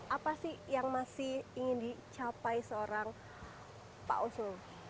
apa sih yang masih ingin dicapai seorang pak oso